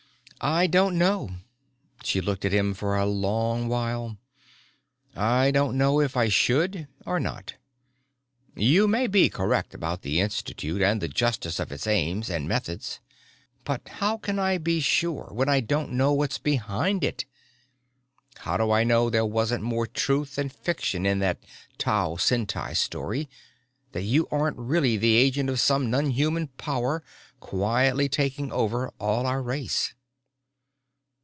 "I don't know." She looked at him for a long while. "I don't know if I should or not. You may be correct about the Institute and the justice of its aims and methods. But how can I be sure, when I don't know what's behind it? How do I know there wasn't more truth than fiction in that Tau Ceti story, that you aren't really the agent of some non human power quietly taking over all our race?"